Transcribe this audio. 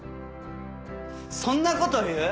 そんなこと言う？